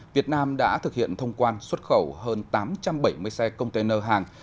việt nam đã thực hiện thông quan xuất khẩu hơn tám trăm bảy mươi xe container hàng